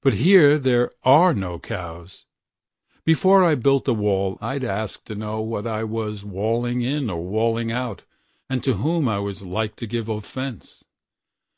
But here there are no cows. Before I built a wall I'd ask to knowWhat I was walling in or walling out, And to whom I was like to give offence.